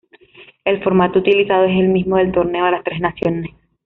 El formato utilizado es el mismo del Torneo de las Tres Naciones.